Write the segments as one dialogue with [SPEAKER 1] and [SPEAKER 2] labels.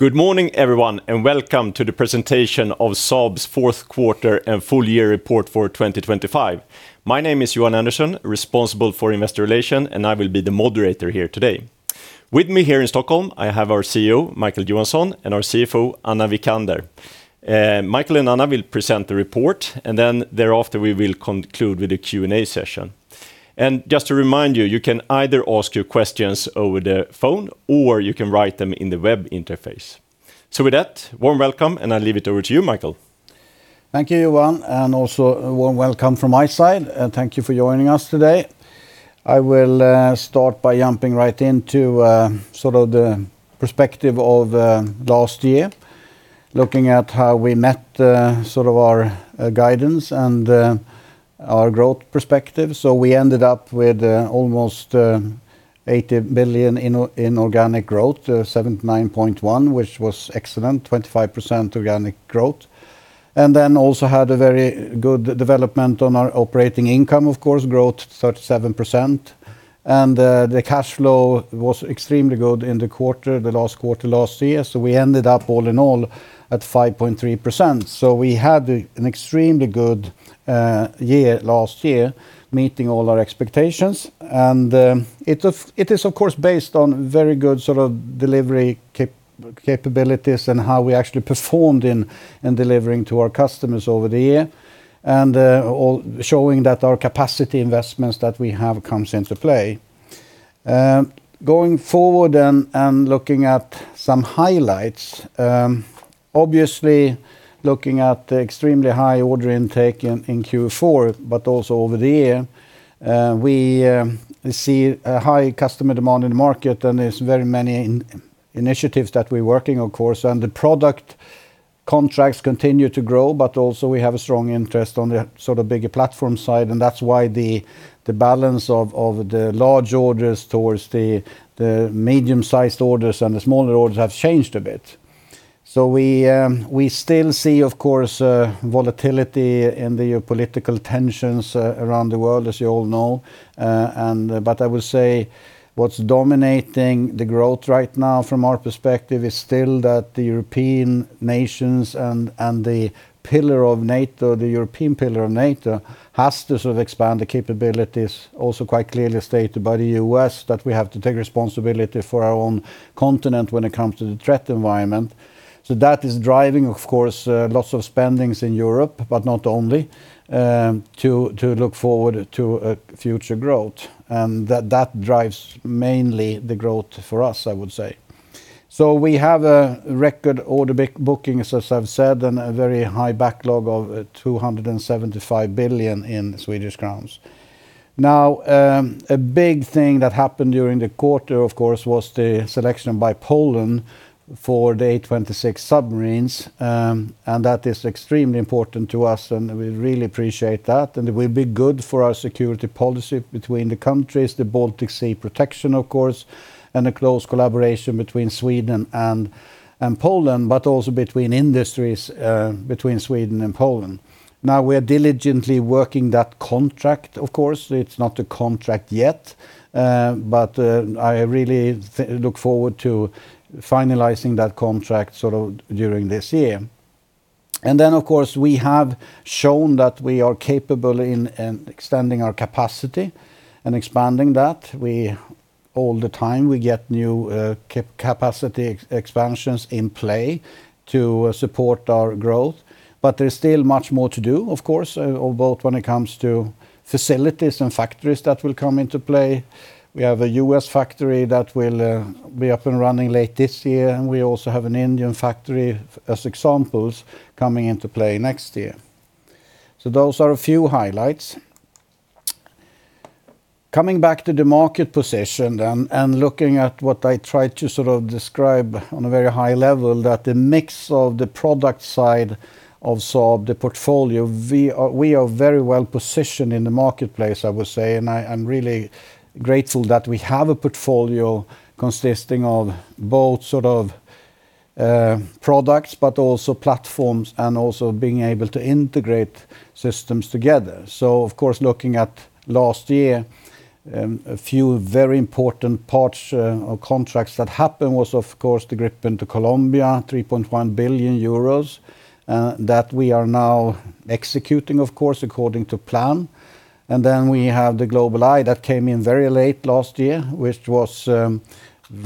[SPEAKER 1] Good morning, everyone, and welcome to the presentation of Saab's fourth quarter and full year report for 2025. My name is Johan Andersson, responsible for investor relations, and I will be the moderator here today. With me here in Stockholm, I have our CEO, Micael Johansson, and our CFO, Anna Wijkander. Micael and Anna will present the report, and then thereafter we will conclude with a Q&A session. And just to remind you, you can either ask your questions over the phone or you can write them in the web interface. So with that, warm welcome, and I leave it over to you, Micael.
[SPEAKER 2] Thank you, Johan, and also a warm welcome from my side, and thank you for joining us today. I will start by jumping right into sort of the perspective of last year, looking at how we met sort of our guidance and our growth perspective. So we ended up with almost 80 billion in organic growth, 79.1 billion, which was excellent, 25% organic growth. And then also had a very good development on our operating income, of course, growth, 37%. And the cash flow was extremely good in the quarter, the last quarter last year, so we ended up all in all at 5.3%. So we had an extremely good year last year, meeting all our expectations. It is, of course, based on very good sort of delivery capabilities and how we actually performed in delivering to our customers over the year, and all showing that our capacity investments that we have comes into play. Going forward and looking at some highlights, obviously, looking at the extremely high order intake in Q4, but also over the year, we see a high customer demand in the market, and there's very many initiatives that we're working, of course. The product contracts continue to grow, but also we have a strong interest on the sort of bigger platform side, and that's why the balance of the large orders towards the medium-sized orders and the smaller orders have changed a bit. So we, we still see, of course, volatility in the political tensions, around the world, as you all know. And but I will say what's dominating the growth right now from our perspective is still that the European nations and, and the pillar of NATO, the European pillar of NATO, has to sort of expand the capabilities, also quite clearly stated by the U.S., that we have to take responsibility for our own continent when it comes to the threat environment. So that is driving, of course, lots of spendings in Europe, but not only, to look forward to, future growth. And that, that drives mainly the growth for us, I would say. So we have a record order bookings, as I've said, and a very high backlog of, 275 billion in Swedish crowns. Now, a big thing that happened during the quarter, of course, was the selection by Poland for the A26 submarines. And that is extremely important to us, and we really appreciate that. And it will be good for our security policy between the countries, the Baltic Sea protection, of course, and a close collaboration between Sweden and Poland, but also between industries, between Sweden and Poland. Now, we are diligently working that contract, of course. It's not a contract yet, but I really look forward to finalizing that contract sort of during this year. And then, of course, we have shown that we are capable in extending our capacity and expanding that. We... All the time, we get new, capacity expansions in play to support our growth, but there's still much more to do, of course, both when it comes to facilities and factories that will come into play. We have a U.S. factory that will be up and running late this year, and we also have an Indian factory, as examples, coming into play next year. So those are a few highlights. Coming back to the market position then, and looking at what I tried to sort of describe on a very high level, that the mix of the product side of Saab, the portfolio, we are, we are very well positioned in the marketplace, I would say, and I, I'm really grateful that we have a portfolio consisting of both sort of, products, but also platforms, and also being able to integrate systems together. So of course, looking at last year, a few very important parts, or contracts that happened was, of course, the Gripen to Colombia, 3.1 billion euros, that we are now executing, of course, according to plan. And then we have the GlobalEye that came in very late last year, which was,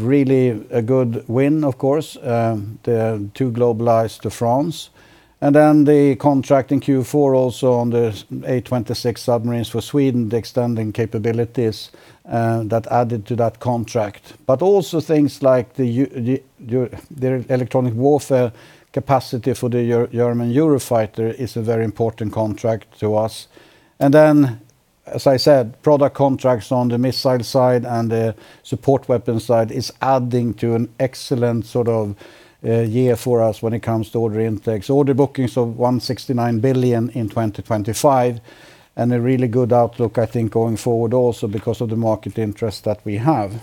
[SPEAKER 2] really a good win, of course, the two GlobalEyes to France. And then the contract in Q4 also on the A26 submarines for Sweden, the extending capabilities, that added to that contract. But also things like the the electronic warfare capacity for the German Eurofighter is a very important contract to us. And then, as I said, product contracts on the missile side and the support weapons side is adding to an excellent sort of, year for us when it comes to order intake. So order bookings of 169 billion in 2025, and a really good outlook, I think, going forward also because of the market interest that we have.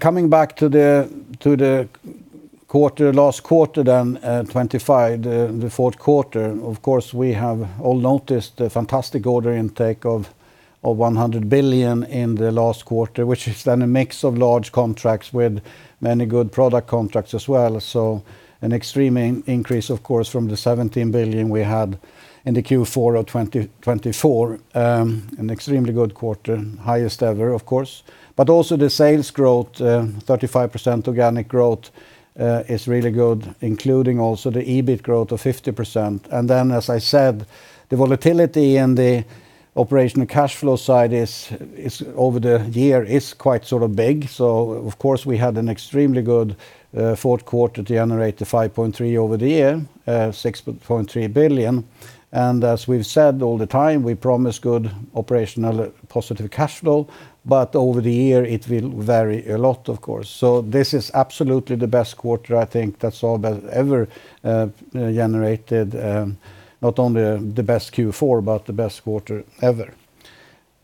[SPEAKER 2] Coming back to the quarter, last quarter, then, 25, the fourth quarter. Of course, we have all noticed the fantastic order intake of 100 billion in the last quarter, which is then a mix of large contracts with many good product contracts as well. So an extreme increase, of course, from the 17 billion we had in the Q4 of 2024. An extremely good quarter. Highest ever, of course. But also the sales growth, 35% organic growth, is really good, including also the EBIT growth of 50%. And then, as I said, the volatility in the operational cash flow side is, over the year, quite sort of big. So of course, we had an extremely good fourth quarter to generate the 5.3 billion over the year, 6.3 billion. And as we've said all the time, we promise good operational positive cash flow, but over the year it will vary a lot, of course. So this is absolutely the best quarter, I think, that Saab has ever generated. Not only the best Q4, but the best quarter ever.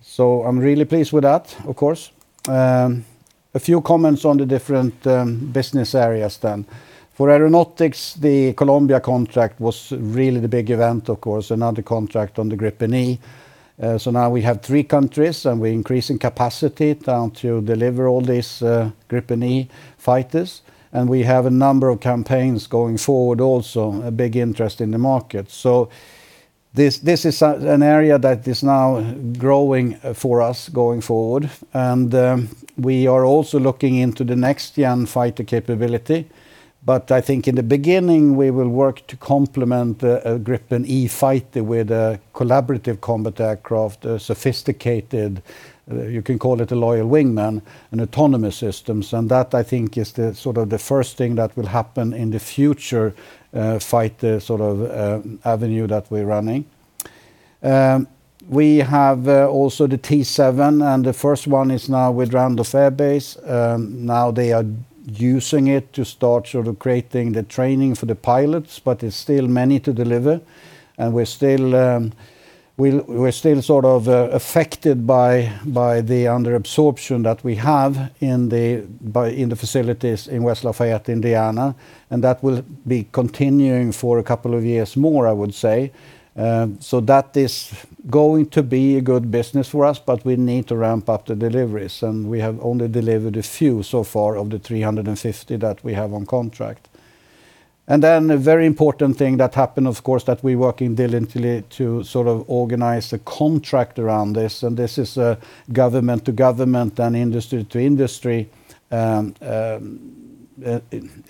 [SPEAKER 2] So I'm really pleased with that, of course. A few comments on the different business areas then. For Aeronautics, the Colombia contract was really the big event, of course, another contract on the Gripen E. So now we have three countries, and we're increasing capacity now to deliver all these Gripen E fighters, and we have a number of campaigns going forward, also a big interest in the market. So this is an area that is now growing for us going forward, and we are also looking into the next-gen fighter capability. But I think in the beginning, we will work to complement a Gripen E fighter with a collaborative combat aircraft, a sophisticated, you can call it a loyal wingman, and autonomous systems, and that, I think, is the sort of the first thing that will happen in the future, fighter sort of avenue that we're running. We have also the T-7, and the first one is now with Randolph Air Base. Now they are using it to start sort of creating the training for the pilots, but there's still many to deliver. We're still sort of affected by the under-absorption that we have in the facilities in West Lafayette, Indiana, and that will be continuing for a couple of years more, I would say. So that is going to be a good business for us, but we need to ramp up the deliveries, and we have only delivered a few so far of the 350 that we have on contract. And then a very important thing that happened, of course, that we're working diligently to sort of organize a contract around this, and this is a government-to-government and industry-to-industry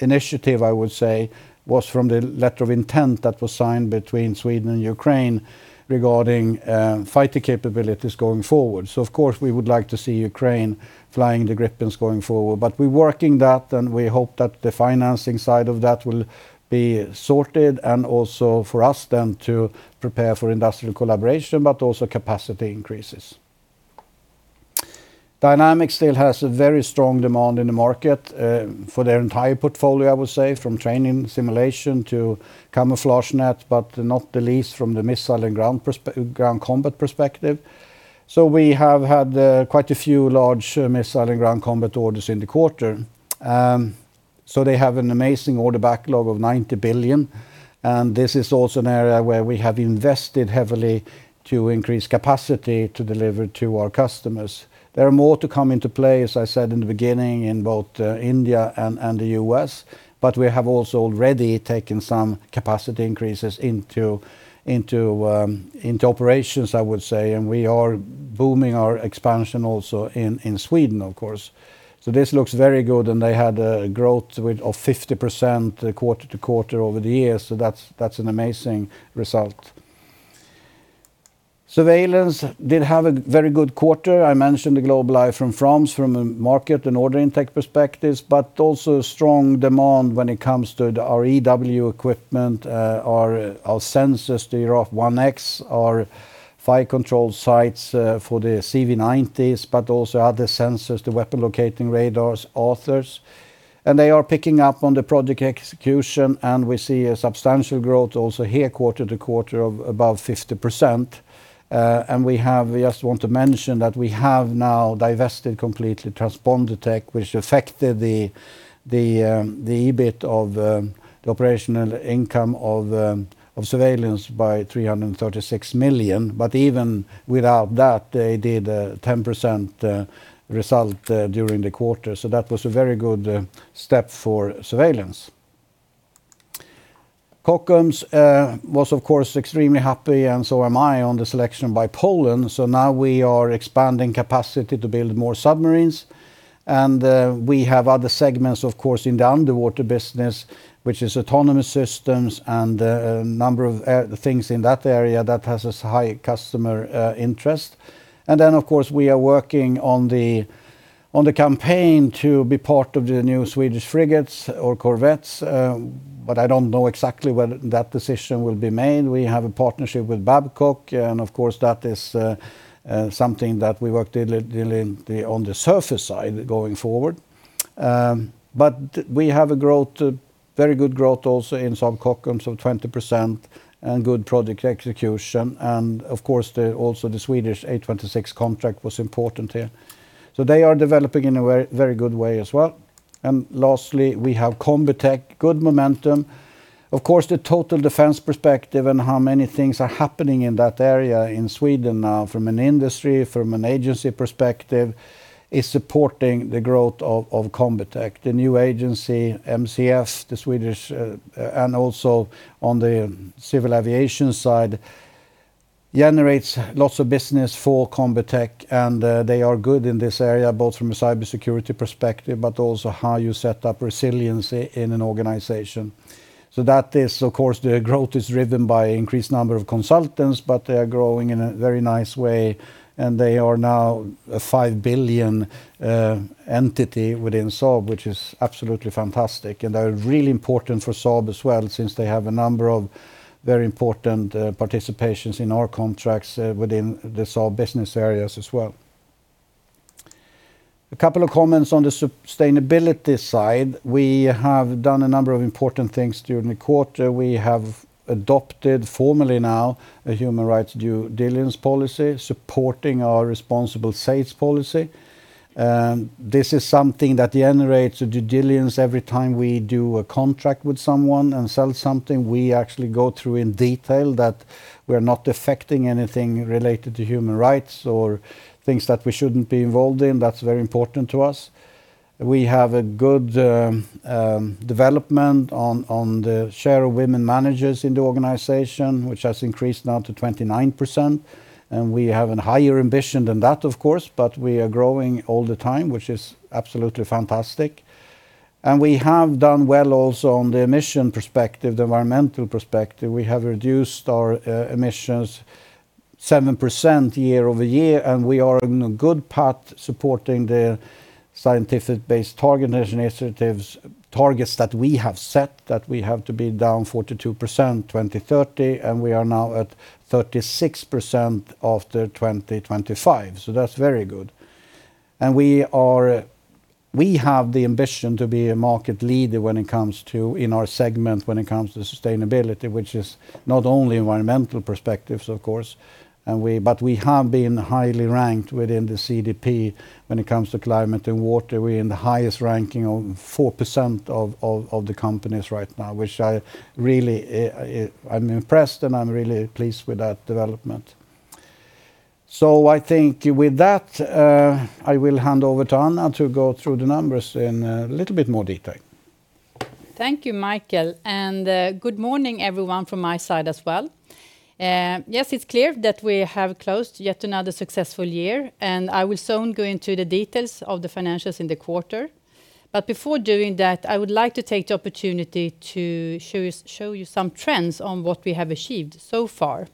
[SPEAKER 2] initiative, I would say, was from the letter of intent that was signed between Sweden and Ukraine regarding fighter capabilities going forward. So of course, we would like to see Ukraine flying the Gripens going forward. But we're working that, and we hope that the financing side of that will be sorted, and also for us then to prepare for industrial collaboration, but also capacity increases. Dynamics still has a very strong demand in the market, for their entire portfolio, I would say, from training simulation to camouflage net, but not the least from the missile and ground combat perspective. So we have had quite a few large missile and ground combat orders in the quarter. So they have an amazing order backlog of 90 billion, and this is also an area where we have invested heavily to increase capacity to deliver to our customers. There are more to come into play, as I said in the beginning, in both India and the US, but we have also already taken some capacity increases into operations, I would say, and we are booming our expansion also in Sweden, of course. So this looks very good, and they had a growth with... of 50%, quarter-over-quarter over the years, so that's an amazing result. Surveillance did have a very good quarter. I mentioned the GlobalEye from France, from a market and order intake perspectives, but also a strong demand when it comes to our EW equipment, our sensors, the Giraffe 1X, our fire control sights for the CV90s, but also other sensors, the weapon locating radars, ARTHUR. They are picking up on the project execution, and we see a substantial growth also here, quarter-over-quarter, of about 50%. We just want to mention that we have now divested completely TransponderTech, which affected the EBIT of the operational income of Surveillance by 336 million. But even without that, they did a 10% result during the quarter. So that was a very good step for Surveillance. Kockums was of course extremely happy, and so am I, on the selection by Poland. So now we are expanding capacity to build more submarines, and we have other segments, of course, in the underwater business, which is autonomous systems and a number of things in that area that has a high customer interest. And then, of course, we are working on the campaign to be part of the new Swedish frigates or corvettes. But I don't know exactly when that decision will be made. We have a partnership with Babcock, and of course, that is something that we work diligently on the surface side going forward. But we have a growth, a very good growth also in Saab Kockums of 20% and good project execution, and of course, also the Swedish A26 contract was important here. So they are developing in a very, very good way as well. And lastly, we have Combitech, good momentum. Of course, the total defense perspective and how many things are happening in that area in Sweden now from an industry, from an agency perspective, is supporting the growth of Combitech. The new agency, MCS, the Swedish, and also on the civil aviation side, generates lots of business for Combitech, and, they are good in this area, both from a cybersecurity perspective, but also how you set up resiliency in an organization. So that is, of course, the growth is driven by increased number of consultants, but they are growing in a very nice way, and they are now a 5 billion entity within Saab, which is absolutely fantastic. And they are really important for Saab as well, since they have a number of very important participations in our contracts within the Saab business areas as well. A couple of comments on the sustainability side. We have done a number of important things during the quarter. We have adopted formally now a human rights due diligence policy, supporting our responsible sales policy. This is something that generates a due diligence every time we do a contract with someone and sell something, we actually go through in detail that we're not affecting anything related to human rights or things that we shouldn't be involved in. That's very important to us. We have a good development on the share of women managers in the organization, which has increased now to 29%, and we have a higher ambition than that, of course, but we are growing all the time, which is absolutely fantastic. We have done well also on the emission perspective, the environmental perspective. We have reduced our emissions 7% year-over-year, and we are on a good path supporting the Science Based Targets initiative targets that we have set, that we have to be down 42% in 2030, and we are now at 36% after 2025. That's very good. We have the ambition to be a market leader when it comes to, in our segment, when it comes to sustainability, which is not only environmental perspectives, of course, and we have been highly ranked within the CDP when it comes to climate and water. We're in the highest ranking of 4% of the companies right now, which I really, I'm impressed, and I'm really pleased with that development. So I think with that, I will hand over to Anna to go through the numbers in a little bit more detail.
[SPEAKER 3] Thank you, Micael, and, good morning, everyone from my side as well. Yes, it's clear that we have closed yet another successful year, and I will soon go into the details of the financials in the quarter. But before doing that, I would like to take the opportunity to show you, show you some trends on what we have achieved so far.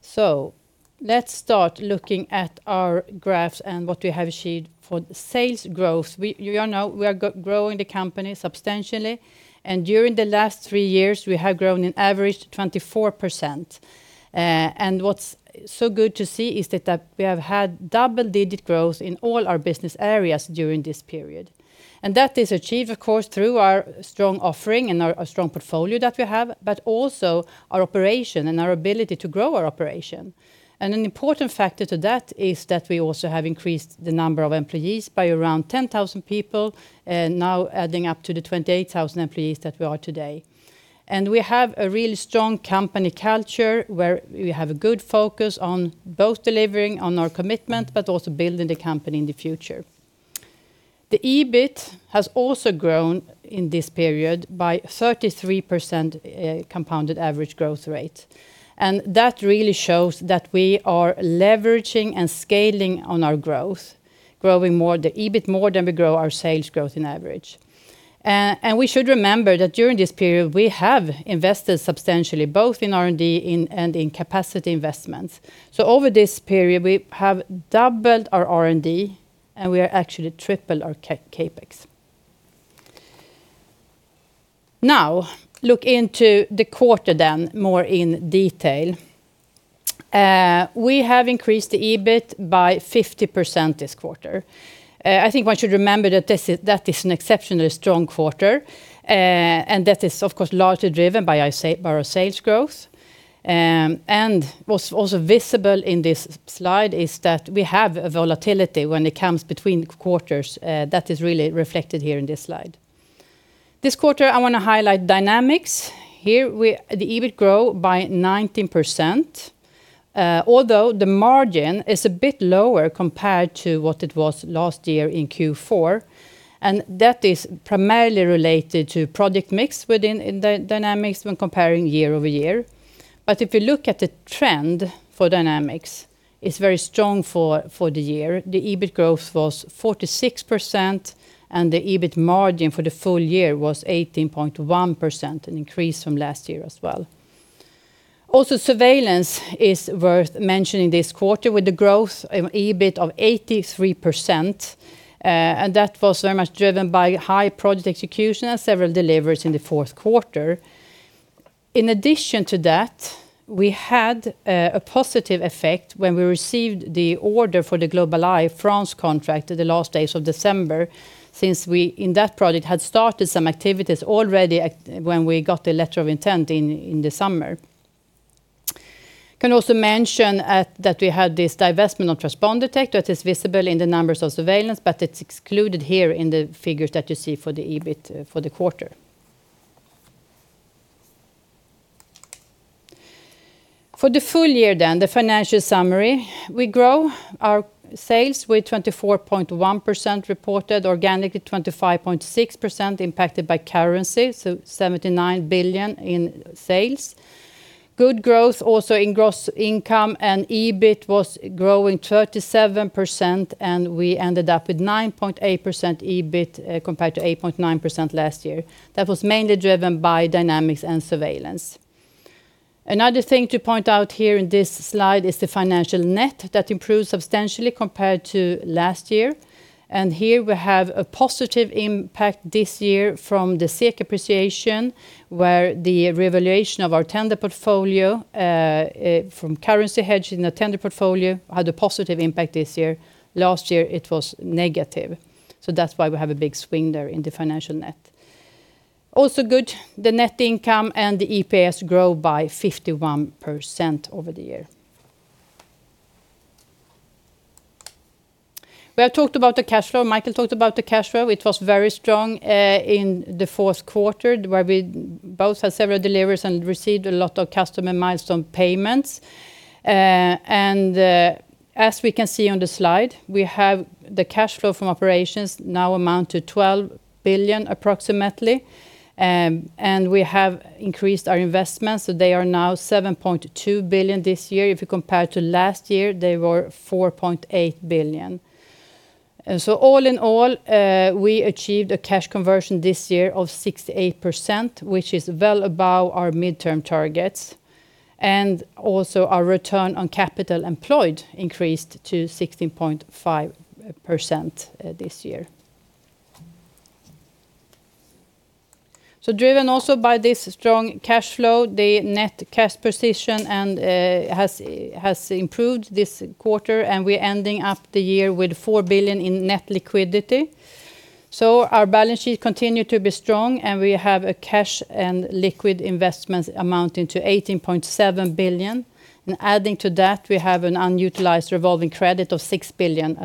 [SPEAKER 3] So let's start looking at our graphs and what we have achieved for the sales growth. You all know, we are growing the company substantially, and during the last three years, we have grown an average 24%. And what's so good to see is that, that we have had double-digit growth in all our business areas during this period. That is achieved, of course, through our strong offering and our, our strong portfolio that we have, but also our operation and our ability to grow our operation. An important factor to that is that we also have increased the number of employees by around 10,000 people, now adding up to the 28,000 employees that we are today. And we have a really strong company culture, where we have a good focus on both delivering on our commitment, but also building the company in the future. The EBIT has also grown in this period by 33%, compounded average growth rate. And that really shows that we are leveraging and scaling on our growth, growing more, the EBIT more than we grow our sales growth in average. And we should remember that during this period, we have invested substantially, both in R&D and in capacity investments. So over this period, we have doubled our R&D, and we are actually triple our CapEx. Now, look into the quarter then more in detail. We have increased the EBIT by 50% this quarter. I think one should remember that this is an exceptionally strong quarter, and that is, of course, largely driven by our sales growth. And what's also visible in this slide is that we have a volatility when it comes between quarters. That is really reflected here in this slide. This quarter, I want to highlight Dynamics. The EBIT grow by 19%, although the margin is a bit lower compared to what it was last year in Q4, and that is primarily related to product mix within the Dynamics when comparing year-over-year. But if you look at the trend for Dynamics, it's very strong for the year. The EBIT growth was 46%, and the EBIT margin for the full year was 18.1%, an increase from last year as well. Also, Surveillance is worth mentioning this quarter with the growth in EBIT of 83%, and that was very much driven by high project execution and several deliveries in the fourth quarter. In addition to that, we had a positive effect when we received the order for the GlobalEye France contract in the last days of December, since we, in that project, had started some activities already when we got the letter of intent in the summer. I can also mention that we had this divestment of TransponderTech that is visible in the numbers of Surveillance, but it's excluded here in the figures that you see for the EBIT for the quarter. For the full year then, the financial summary, we grow our sales with 24.1% reported organically, 25.6% impacted by currency, so 79 billion in sales. Good growth also in gross income, and EBIT was growing 37%, and we ended up with 9.8% EBIT compared to 8.9% last year. That was mainly driven by Dynamics and Surveillance. Another thing to point out here in this slide is the financial net that improved substantially compared to last year. Here we have a positive impact this year from the SEK appreciation, where the revaluation of our tender portfolio, from currency hedge in the tender portfolio had a positive impact this year. Last year, it was negative, so that's why we have a big swing there in the financial net. Also good, the net income and the EPS grow by 51% over the year. We have talked about the cash flow. Micael talked about the cash flow. It was very strong in the fourth quarter, where we both had several deliveries and received a lot of customer milestone payments. And as we can see on the slide, we have the cash flow from operations now amount to 12 billion, approximately. And we have increased our investments, so they are now 7.2 billion this year. If you compare to last year, they were 4.8 billion. And so all in all, we achieved a cash conversion this year of 68%, which is well above our midterm targets, and also our return on capital employed increased to 16.5%, this year. So driven also by this strong cash flow, the net cash position and has improved this quarter, and we're ending up the year with 4 billion in net liquidity. So our balance sheet continue to be strong, and we have a cash and liquid investments amounting to 18.7 billion. And adding to that, we have an unutilized revolving credit of 6 billion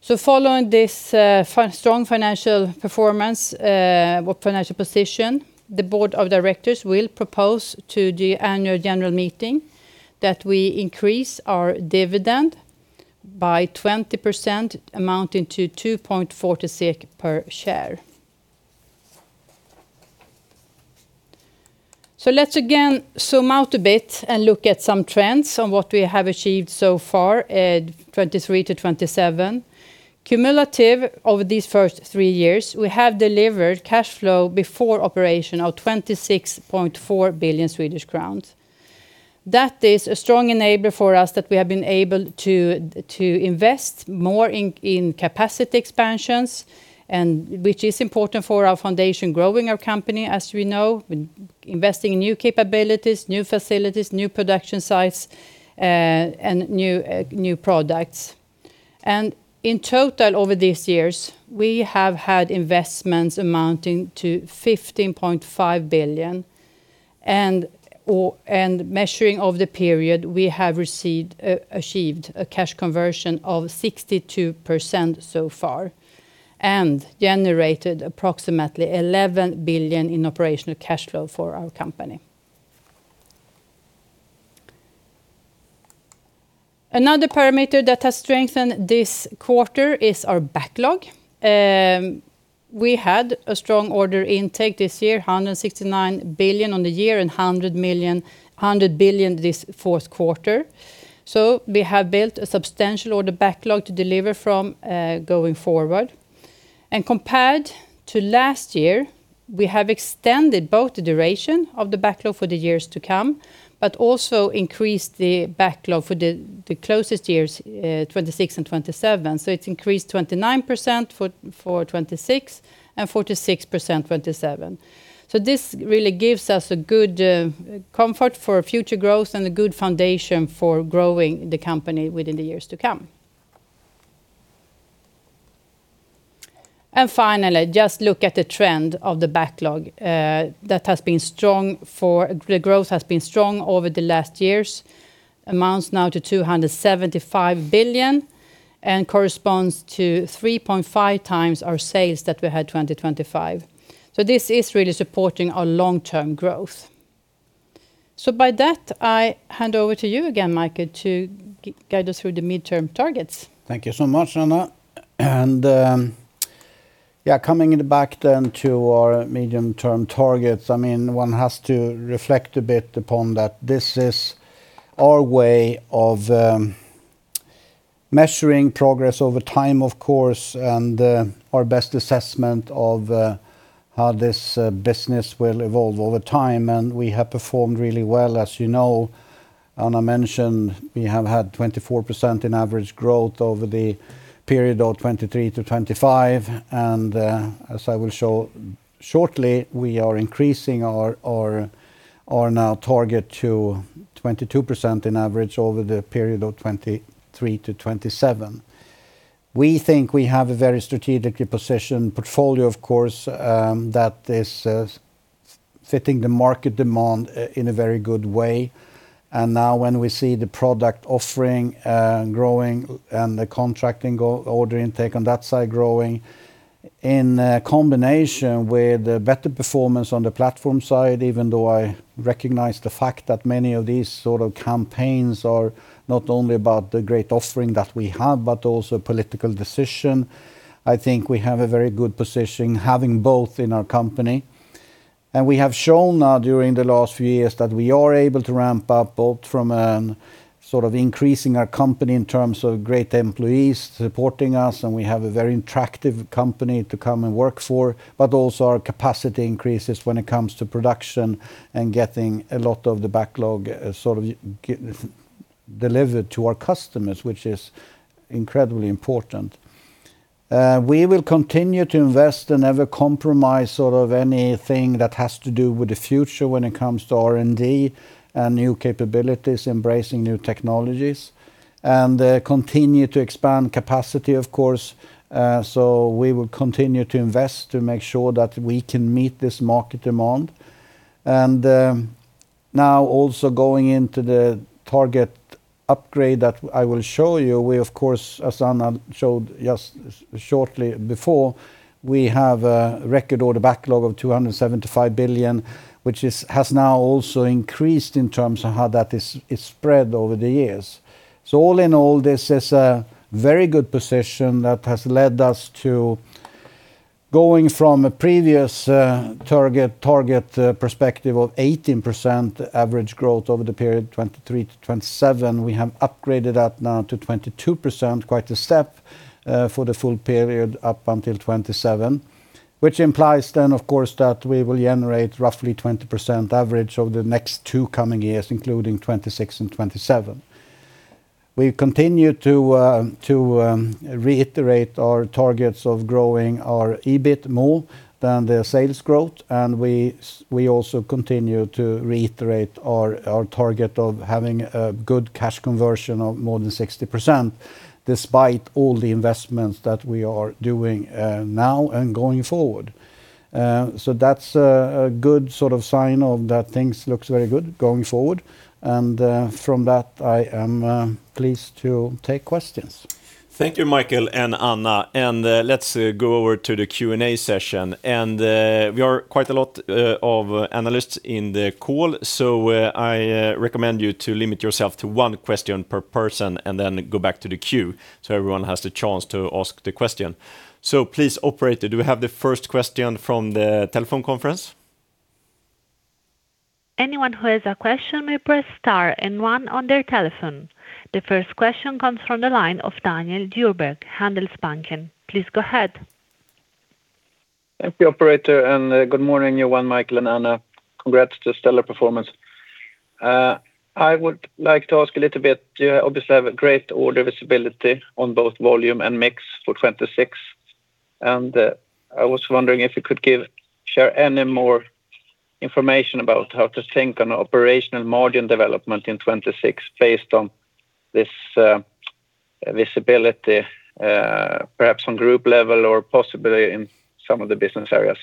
[SPEAKER 3] as well. So following this, strong financial performance, or financial position, the board of directors will propose to the annual general meeting that we increase our dividend by 20%, amounting to 2.40 SEK per share. So let's again zoom out a bit and look at some trends on what we have achieved so far at 2023-2027. Cumulative over these first three years, we have delivered cash flow before operation of 26.4 billion Swedish crowns. That is a strong enabler for us that we have been able to, to invest more in, in capacity expansions, and which is important for our foundation, growing our company, as we know, investing in new capabilities, new facilities, new production sites, and new, new products. In total, over these years, we have had investments amounting to 15.5 billion, and, or, and measuring over the period, we have received, achieved a cash conversion of 62% so far, and generated approximately 11 billion in operational cash flow for our company. Another parameter that has strengthened this quarter is our backlog. We had a strong order intake this year, 169 billion on the year, and 100 billion this fourth quarter. So we have built a substantial order backlog to deliver from, going forward. And compared to last year, we have extended both the duration of the backlog for the years to come, but also increased the backlog for the closest years, 2026 and 2027. So it's increased 29% for 2026, and 46% for 2027. So this really gives us a good comfort for future growth and a good foundation for growing the company within the years to come. And finally, just look at the trend of the backlog that has been strong. The growth has been strong over the last years, amounts now to 275 billion, and corresponds to 3.5 times our sales that we had in 2025. So this is really supporting our long-term growth. So by that, I hand over to you again, Micael, to guide us through the midterm targets.
[SPEAKER 2] Thank you so much, Anna. Yeah, coming back then to our medium-term targets, I mean, one has to reflect a bit upon that. This is our way of measuring progress over time, of course, and our best assessment of how this business will evolve over time, and we have performed really well, as you know. Anna mentioned, we have had 24% average growth over the period of 2023 to 2025, and as I will show shortly, we are increasing our new target to 22% average over the period of 2023 to 2027. We think we have a very strategically positioned portfolio, of course, that is fitting the market demand in a very good way. Now when we see the product offering, growing and the contracting order intake on that side growing, in combination with the better performance on the platform side, even though I recognize the fact that many of these sort of campaigns are not only about the great offering that we have, but also political decision, I think we have a very good position having both in our company. We have shown now during the last few years that we are able to ramp up both from an sort of increasing our company in terms of great employees supporting us, and we have a very attractive company to come and work for, but also our capacity increases when it comes to production and getting a lot of the backlog, sort of delivered to our customers, which is incredibly important. We will continue to invest and never compromise sort of anything that has to do with the future when it comes to R&D and new capabilities, embracing new technologies, and continue to expand capacity, of course. So we will continue to invest to make sure that we can meet this market demand. Now also going into the target upgrade that I will show you, we of course, as Anna showed just shortly before, we have a record order backlog of 275 billion, which has now also increased in terms of how that is spread over the years. So all in all, this is a very good position that has led us to going from a previous target perspective of 18% average growth over the period 2023 to 2027. We have upgraded that now to 22%, quite a step, for the full period up until 2027, which implies then, of course, that we will generate roughly 20% average over the next two coming years, including 2026 and 2027. We continue to reiterate our targets of growing our EBIT more than the sales growth, and we also continue to reiterate our target of having a good cash conversion of more than 60%, despite all the investments that we are doing, now and going forward. So that's a good sort of sign of that things looks very good going forward, and from that, I am pleased to take questions.
[SPEAKER 1] Thank you, Micael and Anna, and let's go over to the Q&A session. We are quite a lot of analysts in the call, so I recommend you to limit yourself to one question per person, and then go back to the queue, so everyone has the chance to ask the question. So please, operator, do we have the first question from the telephone conference?
[SPEAKER 4] Anyone who has a question may press star and one on their telephone. The first question comes from the line of Daniel Djurberg, Handelsbanken. Please go ahead.
[SPEAKER 5] Thank you, operator, and good morning, everyone, Micael and Anna. Congrats to the stellar performance. I would like to ask a little bit. You obviously have a great order visibility on both volume and mix for 2026, and I was wondering if you could share any more information about how to think on operational margin development in 2026 based on this visibility, perhaps on group level or possibly in some of the business areas?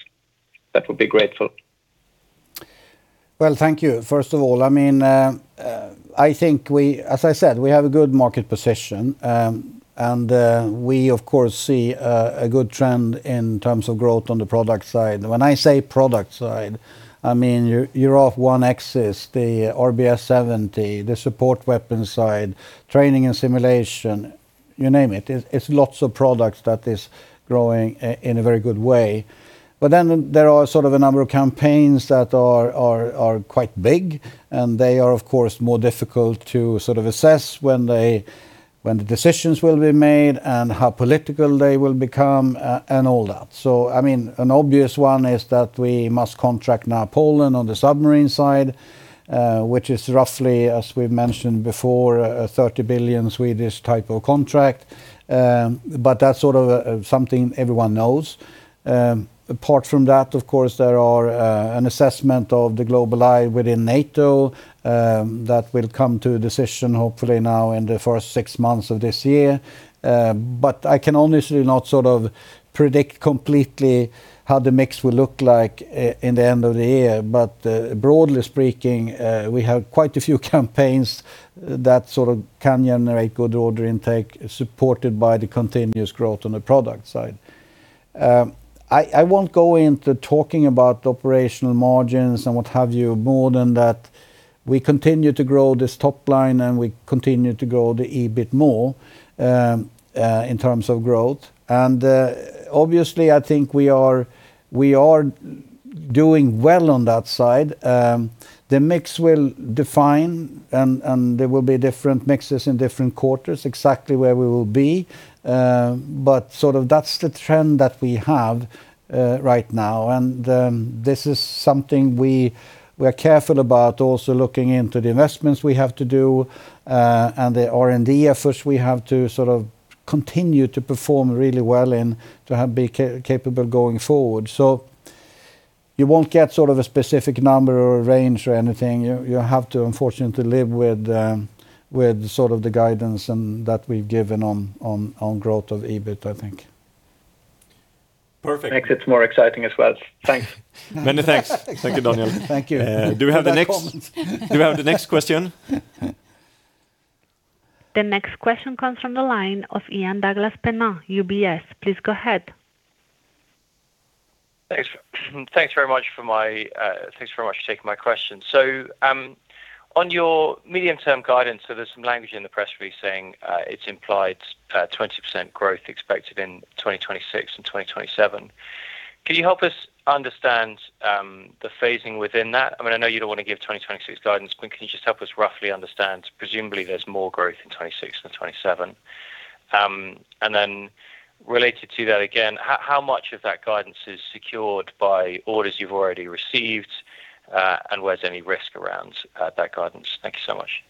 [SPEAKER 5] That would be great.
[SPEAKER 2] Well, thank you. First of all, I mean, I think we. As I said, we have a good market position, and we of course see a good trend in terms of growth on the product side. When I say product side, I mean, your off one axis, the RBS 70, the support weapon side, training and simulation, you name it. It's lots of products that is growing in a very good way. But then there are sort of a number of campaigns that are quite big, and they are, of course, more difficult to sort of assess when the decisions will be made and how political they will become, and all that. So, I mean, an obvious one is that we must contract now Poland on the submarine side, which is roughly, as we've mentioned before, SEK 30 billion type of contract. But that's sort of something everyone knows. Apart from that, of course, there are an assessment of the GlobalEye within NATO, that will come to a decision, hopefully now in the first six months of this year. But I can honestly not sort of predict completely how the mix will look like in the end of the year. But, broadly speaking, we have quite a few campaigns that sort of can generate good order intake, supported by the continuous growth on the product side. I won't go into talking about operational margins and what have you, more than that, we continue to grow this top line, and we continue to grow the EBIT more, in terms of growth. And, obviously, I think we are doing well on that side. The mix will define, and there will be different mixes in different quarters, exactly where we will be, but sort of that's the trend that we have right now. And, this is something we're careful about, also looking into the investments we have to do, and the R&D efforts we have to sort of continue to perform really well and to be capable going forward. You won't get sort of a specific number or a range or anything. You have to unfortunately live with with sort of the guidance and that we've given on growth of EBIT, I think.
[SPEAKER 5] Perfect makes it more exciting as well. Thanks.
[SPEAKER 1] Many thanks. Thank you, Daniel.
[SPEAKER 2] Thank you.
[SPEAKER 1] Do we have the next
[SPEAKER 2] Comments.
[SPEAKER 1] Do we have the next question?
[SPEAKER 4] The next question comes from the line of Ian Douglas-Pennant, UBS. Please go ahead.
[SPEAKER 6] Thanks, thanks very much for taking my question. So, on your medium-term guidance, so there's some language in the press release saying, it's implied, twenty percent growth expected in 2026 and 2027. Can you help us understand, the phasing within that? I mean, I know you don't wanna give 2026 guidance, but can you just help us roughly understand? Presumably there's more growth in 2026 than 2027. And then related to that, again, how, how much of that guidance is secured by orders you've already received? And where's any risk around, that guidance? Thank you so much.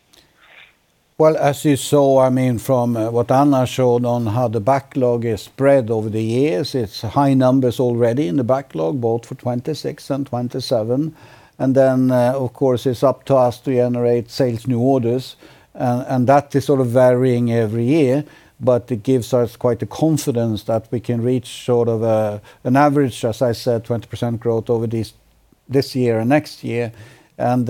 [SPEAKER 2] Well, as you saw, I mean, from what Anna showed on how the backlog is spread over the years, it's high numbers already in the backlog, both for 2026 and 2027. And then, of course, it's up to us to generate sales new orders, and that is sort of varying every year, but it gives us quite the confidence that we can reach sort of an average, as I said, 20% growth over this, this year and next year. And, I won't sort of go into any sort of specifics on 2026 versus 2027, because then we go into guiding for both years simultaneously, and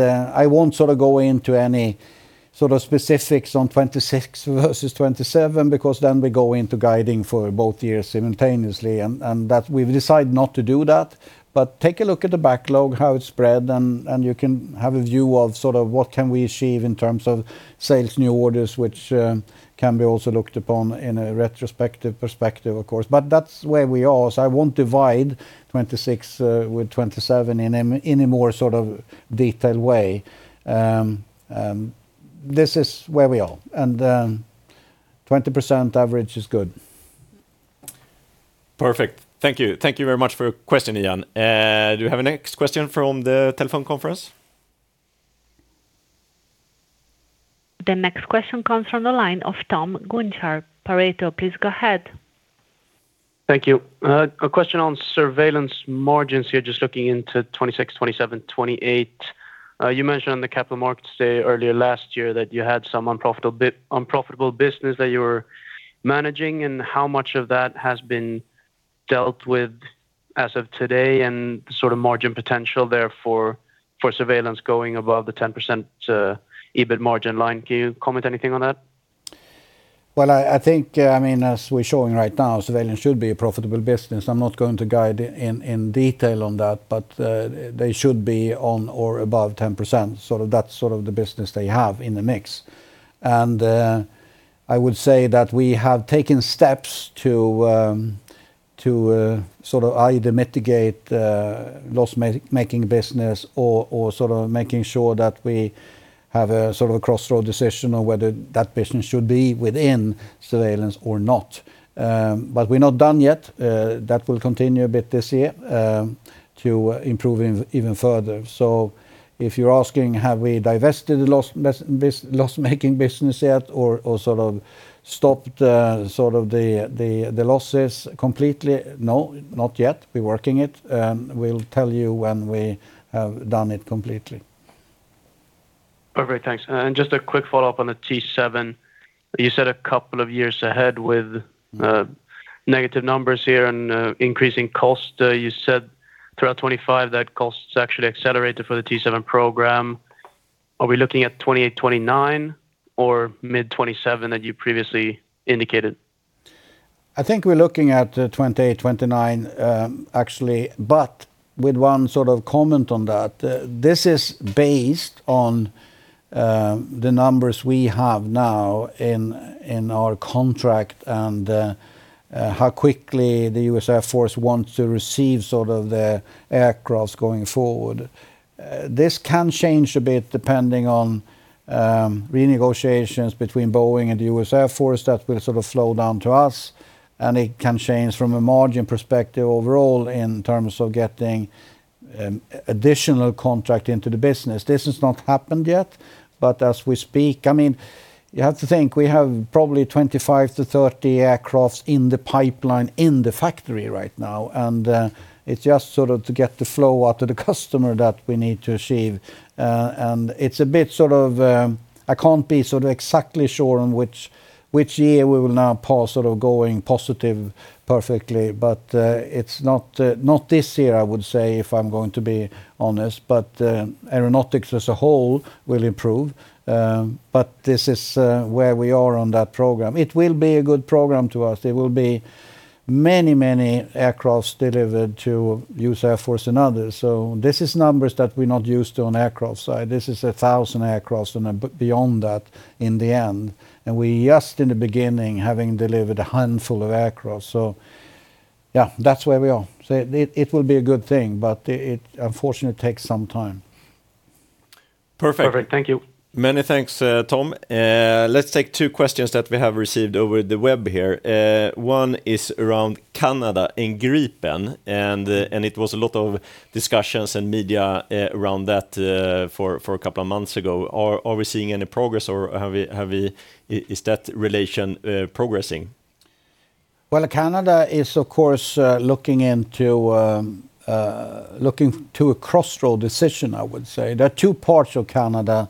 [SPEAKER 2] that we've decided not to do that. But take a look at the backlog, how it's spread, and you can have a view of sort of what can we achieve in terms of sales, new orders, which can be also looked upon in a retrospective perspective, of course. But that's where we are. So I won't divide 2026 with 2027 in a more sort of detailed way. This is where we are, and 20% average is good.
[SPEAKER 1] Perfect. Thank you. Thank you very much for your question, Ian. Do you have a next question from the telephone conference?
[SPEAKER 4] The next question comes from the line of Tom Günther, Pareto. Please go ahead.
[SPEAKER 7] Thank you. A question on surveillance margins here, just looking into 2026, 2027, 2028. You mentioned on the capital markets day earlier last year that you had some unprofitable business that you were managing, and how much of that has been dealt with as of today, and the sort of margin potential, therefore, for surveillance going above the 10% EBIT margin line? Can you comment anything on that?
[SPEAKER 2] Well, I think, I mean, as we're showing right now, surveillance should be a profitable business. I'm not going to guide in detail on that, but they should be on or above 10%. Sort of that's sort of the business they have in the mix. And I would say that we have taken steps to sort of either mitigate loss-making business or sort of making sure that we have a sort of a crossroad decision on whether that business should be within surveillance or not. But we're not done yet. That will continue a bit this year to improve even further. So if you're asking, have we divested this loss-making business yet or sort of stopped sort of the losses completely? No, not yet. We're working it, and we'll tell you when we have done it completely.
[SPEAKER 7] Perfect, thanks. And just a quick follow-up on the T-7. You said a couple of years ahead with, negative numbers here and, increasing cost. You said throughout 2025, that costs actually accelerated for the T-7 program. Are we looking at 2028, 2029 or mid-2027, as you previously indicated?
[SPEAKER 2] I think we're looking at 2028, 2029, actually, but with one sort of comment on that. This is based on the numbers we have now in our contract and how quickly the US Air Force wants to receive sort of the aircraft going forward. This can change a bit depending on renegotiations between Boeing and the US Air Force. That will sort of flow down to us, and it can change from a margin perspective overall in terms of getting additional contract into the business. This has not happened yet, but as we speak... I mean, you have to think, we have probably 25-30 aircraft in the pipeline, in the factory right now, and it's just sort of to get the flow out to the customer that we need to achieve. And it's a bit sort of, I can't be sort of exactly sure on which, which year we will now pass sort of going positive perfectly, but, it's not, not this year, I would say, if I'm going to be honest. But, aeronautics as a whole will improve. But this is, where we are on that program. It will be a good program to us. There will be many, many aircrafts delivered to US Air Force and others. So this is numbers that we're not used to on aircraft side. This is 1,000 aircrafts and then beyond that in the end, and we just in the beginning, having delivered a handful of aircraft. So yeah, that's where we are. So it, it, it will be a good thing, but it, it unfortunately takes some time.
[SPEAKER 7] Perfect. Thank you.
[SPEAKER 1] Many thanks, Tom. Let's take two questions that we have received over the web here. One is around Canada and Gripen, and it was a lot of discussions and media around that, for a couple of months ago. Are we seeing any progress, or have we is that relation progressing?
[SPEAKER 2] Well, Canada is, of course, looking into looking to a crossroad decision, I would say. There are two parts of Canada.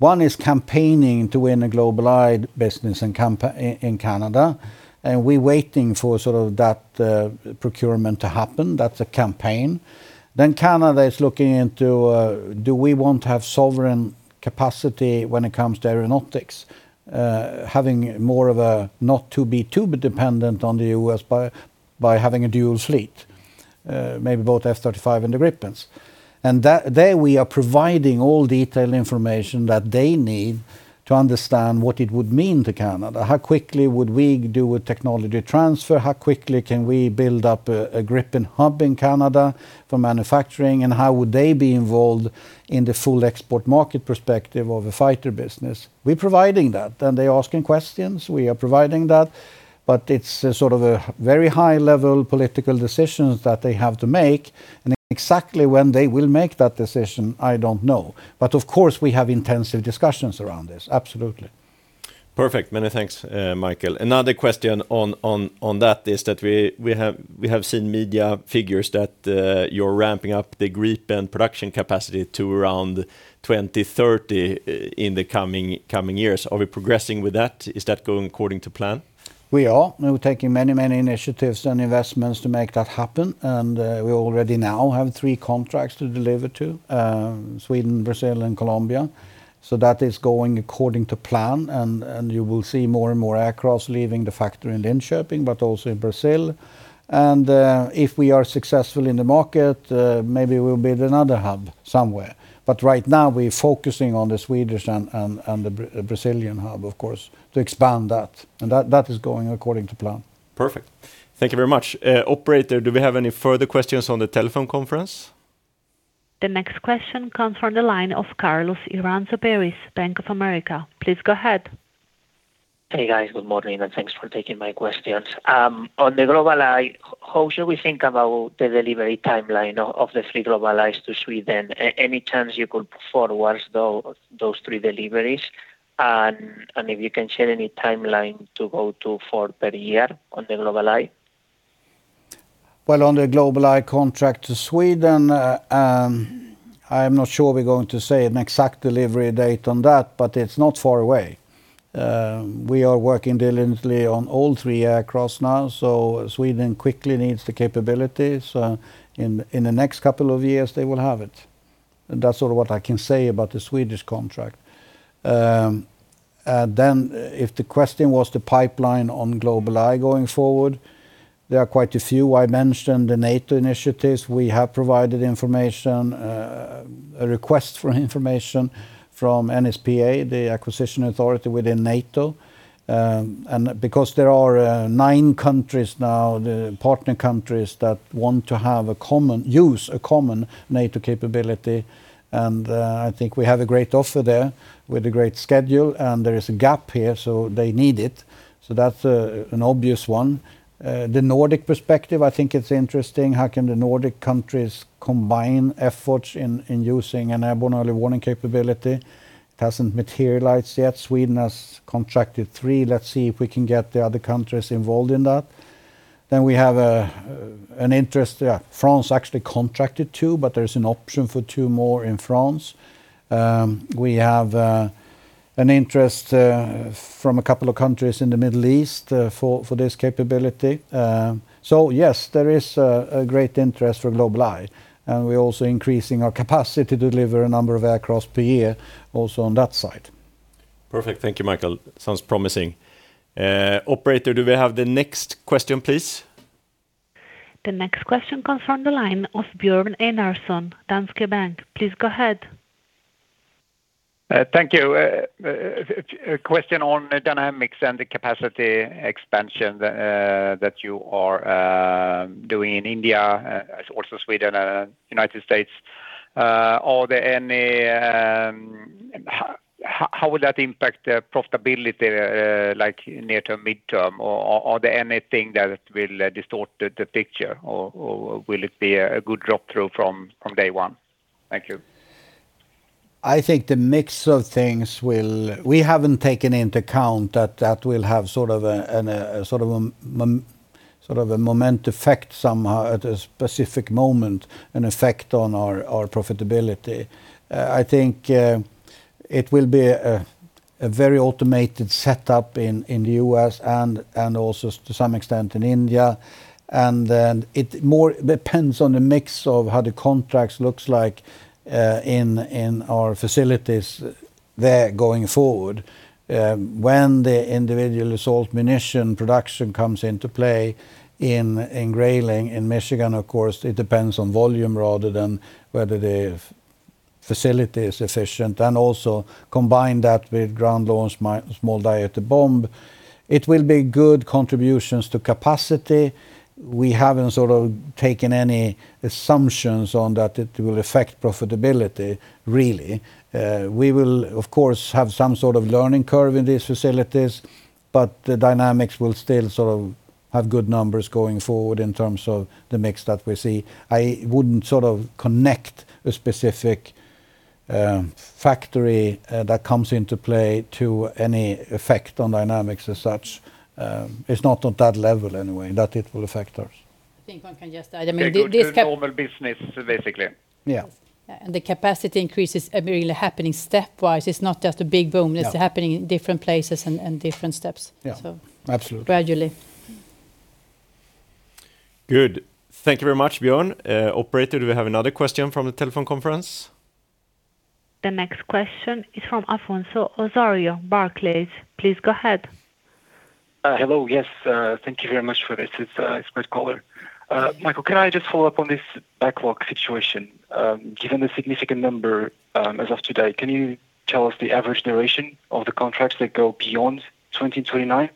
[SPEAKER 2] One is campaigning to win a GlobalEye business and campaign in Canada, and we're waiting for sort of that procurement to happen. That's a campaign. Then Canada is looking into do we want to have sovereign capacity when it comes to aeronautics? Having more of a, not to be too dependent on the U.S. by having a dual fleet, maybe both F-35 and the Gripens. And there we are providing all detailed information that they need to understand what it would mean to Canada. How quickly would we do a technology transfer? How quickly can we build up a Gripen hub in Canada for manufacturing? How would they be involved in the full export market perspective of a fighter business? We're providing that, and they're asking questions. We are providing that, but it's a sort of a very high-level political decisions that they have to make, and exactly when they will make that decision, I don't know. But of course, we have intensive discussions around this. Absolutely.
[SPEAKER 1] Perfect. Many thanks, Micael. Another question on that is that we have seen media figures that you're ramping up the Gripen production capacity to around 2030 in the coming years. Are we progressing with that? Is that going according to plan?
[SPEAKER 2] We are. And we're taking many, many initiatives and investments to make that happen, and we already now have three contracts to deliver to Sweden, Brazil, and Colombia. So that is going according to plan, and you will see more and more aircraft leaving the factory in Linköping, but also in Brazil. And if we are successful in the market, maybe we'll build another hub somewhere. But right now we're focusing on the Swedish and the Brazilian hub, of course, to expand that, and that is going according to plan.
[SPEAKER 1] Perfect. Thank you very much. Operator, do we have any further questions on the telephone conference?
[SPEAKER 4] The next question comes from the line of Carlos Iranzo Peris, Bank of America. Please go ahead.
[SPEAKER 8] Hey, guys. Good morning, and thanks for taking my questions. On the GlobalEye, how should we think about the delivery timeline of the three GlobalEyes to Sweden? Any chance you could perform once those three deliveries? And if you can share any timeline to go to four per year on the GlobalEye.
[SPEAKER 2] Well, on the GlobalEye contract to Sweden, I'm not sure we're going to say an exact delivery date on that, but it's not far away. We are working diligently on all three aircraft now, so Sweden quickly needs the capability, so in the next couple of years they will have it. That's sort of what I can say about the Swedish contract. And then if the question was the pipeline on GlobalEye going forward, there are quite a few. I mentioned the NATO initiatives. We have provided information, a request for information from NSPA, the acquisition authority within NATO. And because there are 9 countries now, the partner countries, that want to have a common- use a common NATO capability, and I think we have a great offer there with a great schedule, and there is a gap here, so they need it. So that's an obvious one. The Nordic perspective, I think it's interesting. How can the Nordic countries combine efforts in using an airborne early warning capability? It hasn't materialized yet. Sweden has contracted 3. Let's see if we can get the other countries involved in that. Then we have an interest. Yeah, France actually contracted 2, but there's an option for 2 more in France. We have an interest from a couple of countries in the Middle East for this capability. So yes, there is a great interest for GlobalEye, and we're also increasing our capacity to deliver a number of aircraft per year also on that side.
[SPEAKER 1] Perfect. Thank you, Micael. Sounds promising. Operator, do we have the next question, please?
[SPEAKER 4] The next question comes from the line of Björn Enarson, Danske Bank. Please go ahead.
[SPEAKER 9] Thank you. A question on the Dynamics and the capacity expansion that you are doing in India, also Sweden, United States. Are there any... How will that impact the profitability, like near term, midterm? Or, are there anything that will distort the picture, or will it be a good drop-through from day one? Thank you.
[SPEAKER 2] I think the mix of things, we haven't taken into account that that will have sort of a, an, a sort of a moment effect somehow at a specific moment, an effect on our profitability. I think it will be a very automated setup in the US and also to some extent in India. And then it more depends on the mix of how the contracts looks like in our facilities there going forward. When theIndividual Assault Munition production comes into play in Grayling, in Michigan, of course, it depends on volume rather than whether the facility is efficient, and also combine that with Ground-Launched Small Diameter Bomb, it will be good contributions to capacity. We haven't sort of taken any assumptions on that it will affect profitability really. We will, of course, have some sort of learning curve in these facilities, but Dynamics will still sort of have good numbers going forward in terms of the mix that we see. I wouldn't sort of connect a specific factory that comes into play to any effect on Dynamics as such, it's not on that level anyway, that it will affect us.
[SPEAKER 3] I think one can just add, I mean, this
[SPEAKER 9] Good to normal business, basically.
[SPEAKER 2] Yeah.
[SPEAKER 3] The capacity increases are really happening stepwise. It's not just a big boom-
[SPEAKER 2] Yeah
[SPEAKER 3] It's happening in different places and different steps.
[SPEAKER 2] Yeah.
[SPEAKER 3] So
[SPEAKER 2] Absolutely...
[SPEAKER 3] gradually.
[SPEAKER 1] Good. Thank you very much, Björn. Operator, do we have another question from the telephone conference?
[SPEAKER 4] The next question is from Afonso Osório, Barclays. Please go ahead.
[SPEAKER 10] Hello. Yes, thank you very much for this. It's great color. Micael, can I just follow up on this backlog situation? Given the significant number, as of today, can you tell us the average duration of the contracts that go beyond 2029?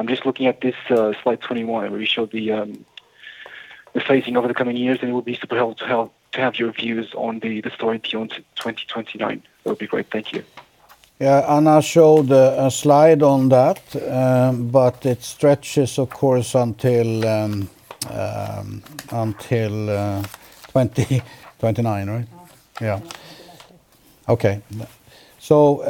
[SPEAKER 10] I'm just looking at this slide 21, where you showed the phasing over the coming years, and it would be super helpful to have your views on the story beyond 2029. That would be great. Thank you.
[SPEAKER 2] Yeah, Anna showed a slide on that, but it stretches, of course, until 2029, right?
[SPEAKER 3] Uh,
[SPEAKER 2] Yeah. Okay. So,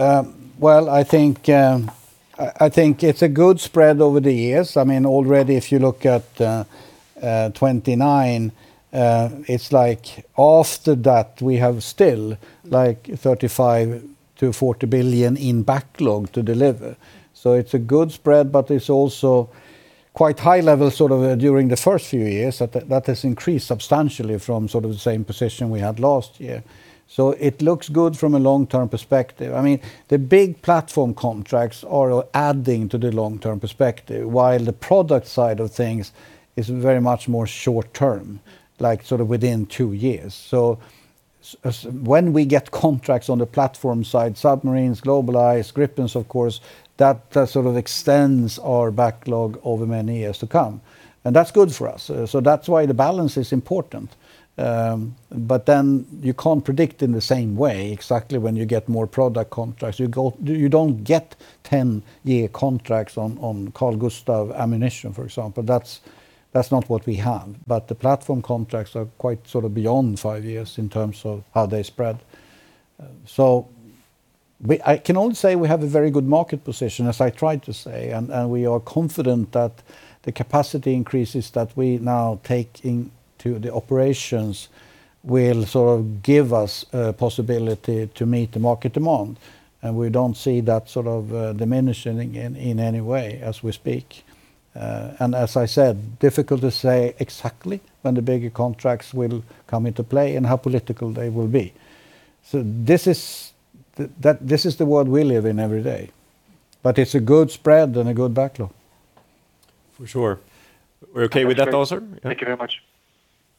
[SPEAKER 2] well, I think I think it's a good spread over the years. I mean, already, if you look at 2029, it's like after that, we have still, like, 35 billion-40 billion in backlog to deliver. So it's a good spread, but it's also quite high level, sort of, during the first few years, that has increased substantially from sort of the same position we had last year. So it looks good from a long-term perspective. I mean, the big platform contracts are adding to the long-term perspective, while the product side of things is very much more short term like, sort of within two years. So when we get contracts on the platform side, submarines, GlobalEye, Gripens, of course, that, that sort of extends our backlog over many years to come, and that's good for us. So that's why the balance is important. But then you can't predict in the same way, exactly when you get more product contracts. You don't get 10-year contracts on, on Carl-Gustaf ammunition, for example. That's, that's not what we have. But the platform contracts are quite sort of beyond five years in terms of how they spread. So I can only say we have a very good market position, as I tried to say, and we are confident that the capacity increases that we now take into the operations will sort of give us possibility to meet the market demand, and we don't see that sort of diminishing in any way as we speak. And as I said, difficult to say exactly when the bigger contracts will come into play and how political they will be. So this is the this is the world we live in every day, but it's a good spread and a good backlog.
[SPEAKER 1] For sure. We're okay with that answer?
[SPEAKER 10] Thank you very much.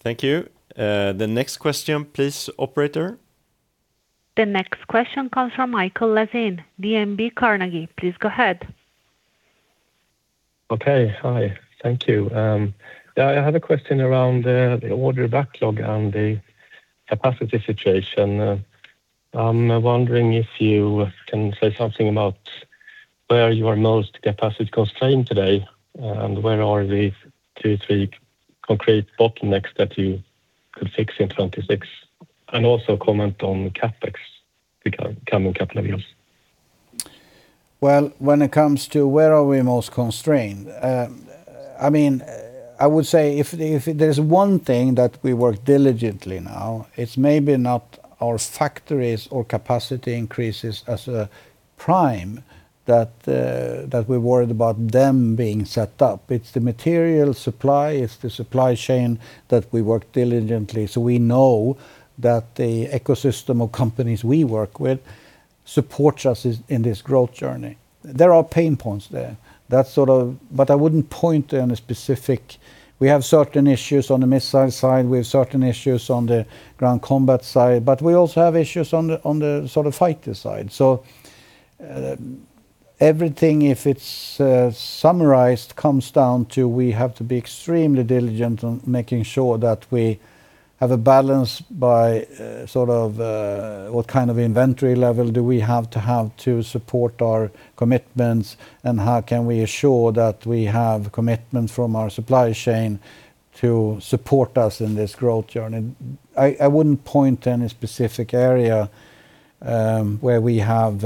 [SPEAKER 1] Thank you. The next question, please, operator.
[SPEAKER 4] The next question comes from Mikael Laséen, DNB Carnegie. Please go ahead.
[SPEAKER 11] Okay. Hi, thank you. Yeah, I had a question around the order backlog and the capacity situation. I'm wondering if you can say something about where you are most capacity constrained today, and where are the two, three concrete bottlenecks that you could fix in 2026? And also comment on CapEx the coming couple of years.
[SPEAKER 2] Well, when it comes to where are we most constrained, I mean, I would say if there's one thing that we work diligently now, it's maybe not our factories or capacity increases as a prime, that that we're worried about them being set up. It's the material supply, it's the supply chain that we work diligently, so we know that the ecosystem of companies we work with supports us in this growth journey. There are pain points there, that's sort of... But I wouldn't point to any specific. We have certain issues on the missile side, we have certain issues on the ground combat side, but we also have issues on the sort of fighter side. So, everything, if it's summarized, comes down to, we have to be extremely diligent on making sure that we have a balance by, sort of, what kind of inventory level do we have to have to support our commitments, and how can we assure that we have commitment from our supply chain to support us in this growth journey? I wouldn't point to any specific area, where we have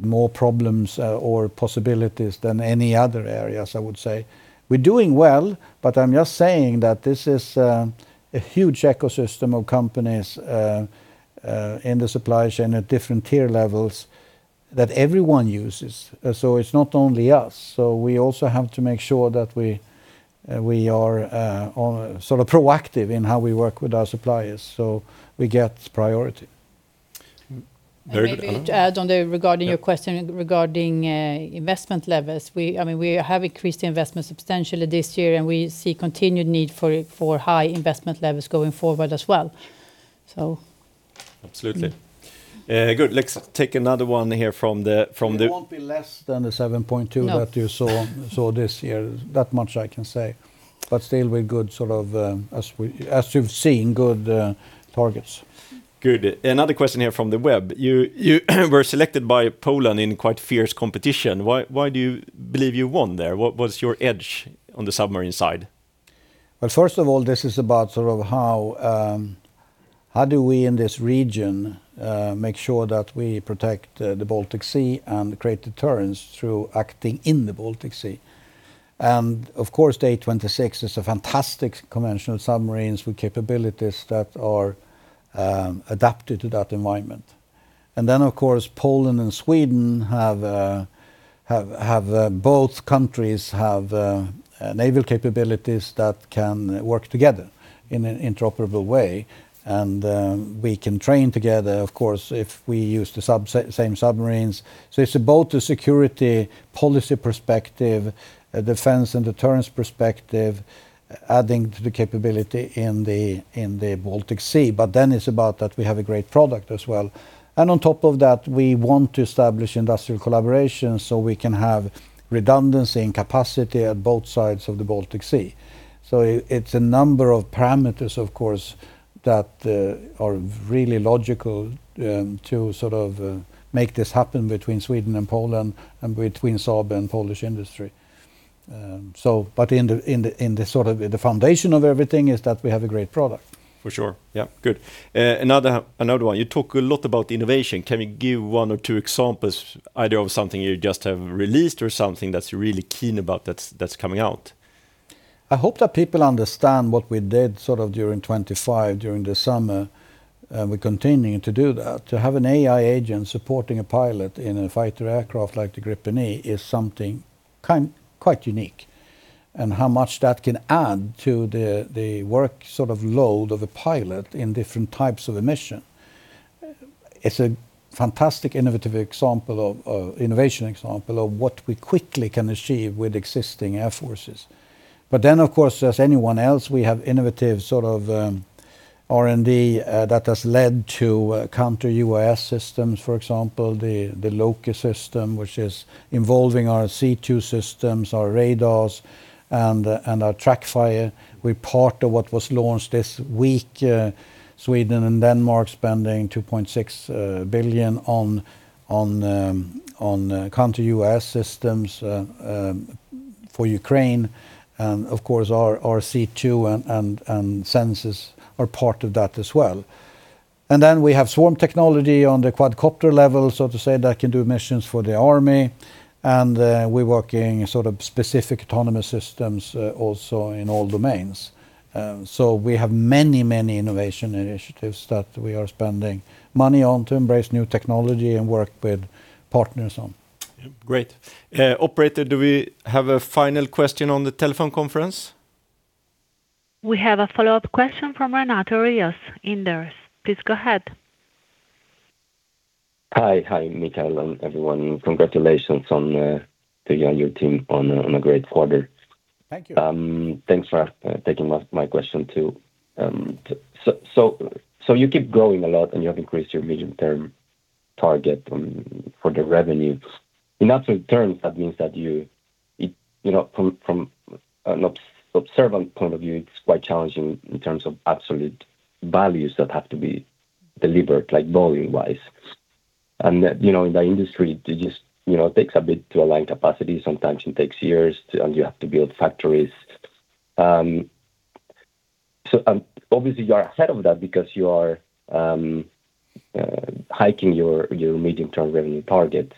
[SPEAKER 2] more problems or possibilities than any other areas, I would say. We're doing well, but I'm just saying that this is a huge ecosystem of companies in the supply chain at different tier levels that everyone uses. So it's not only us. So we also have to make sure that we, we are on sort of proactive in how we work with our suppliers, so we get priority.
[SPEAKER 1] Very good
[SPEAKER 3] Maybe to add on the
[SPEAKER 1] Yeah
[SPEAKER 3] Regarding your question regarding investment levels. We, I mean, we have increased the investment substantially this year, and we see continued need for high investment levels going forward as well. So
[SPEAKER 1] Absolutely. Good. Let's take another one here from the
[SPEAKER 2] It won't be less than the 7.2
[SPEAKER 3] No
[SPEAKER 2] That you saw this year. That much I can say. But still we're good, sort of, as we, as you've seen, good targets.
[SPEAKER 1] Good. Another question here from the web: You were selected by Poland in quite fierce competition. Why do you believe you won there? What was your edge on the submarine side?
[SPEAKER 2] Well, first of all, this is about sort of how, how do we in this region, make sure that we protect, the Baltic Sea and create deterrence through acting in the Baltic Sea? And, of course, the A26 is a fantastic conventional submarines with capabilities that are, adapted to that environment. And then, of course, Poland and Sweden have, both countries have, a naval capabilities that can work together in an interoperable way, and, we can train together, of course, if we use the same submarines. So it's about the security policy perspective, defense and deterrence perspective, adding to the capability in the Baltic Sea. But then it's about that we have a great product as well. On top of that, we want to establish industrial collaboration so we can have redundancy and capacity at both sides of the Baltic Sea. So it's a number of parameters, of course, that are really logical to sort of make this happen between Sweden and Poland and between Saab and Polish industry. So, but the foundation of everything is that we have a great product.
[SPEAKER 1] For sure. Yeah. Good. Another, another one, you talk a lot about innovation. Can you give one or two examples, either of something you just have released or something that's really keen about that's, that's coming out?
[SPEAKER 2] I hope that people understand what we did sort of during 2025, during the summer, and we're continuing to do that. To have an AI agent supporting a pilot in a fighter aircraft like the Gripen E is something quite unique, and how much that can add to the work sort of load of a pilot in different types of a mission. It's a fantastic innovative example of innovation example of what we quickly can achieve with existing air forces. But then, of course, as anyone else, we have innovative sort of R&D that has led to counter UAS systems, for example, the Loke system, which is involving our C2 systems, our radars, and our Trackfire. We're part of what was launched this week, Sweden and Denmark spending 2.6 billion on counter UAS systems for Ukraine. Of course, our C2 and sensors are part of that as well. Then we have swarm technology on the quadcopter level, so to say, that can do missions for the army. We're working sort of specific autonomous systems also in all domains. We have many, many innovation initiatives that we are spending money on to embrace new technology and work with partners on.
[SPEAKER 1] Yeah. Great. Operator, do we have a final question on the telephone conference?
[SPEAKER 4] We have a follow-up question from Renato Rios, Inderes. Please go ahead.
[SPEAKER 12] Hi. Hi, Mikael, and everyone. Congratulations to you and your team on a great quarter.
[SPEAKER 2] Thank you.
[SPEAKER 12] Thanks for taking my question, too. So you keep growing a lot, and you have increased your medium-term target on, for the revenue. In absolute terms, that means that you, it, you know, from an observant point of view, it's quite challenging in terms of absolute values that have to be delivered, like volume-wise. And that, you know, in the industry, it just, you know, takes a bit to align capacity. Sometimes it takes years, and you have to build factories. So obviously, you are ahead of that because you are hiking your medium-term revenue targets.